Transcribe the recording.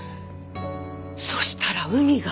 そしたら海が。